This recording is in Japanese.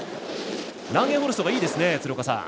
ランゲンホルストがいいですね。